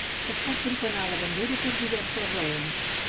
Es pot profanar la bandera per diverses raons.